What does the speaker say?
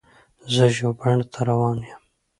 زه ژوبڼ ته روان یم.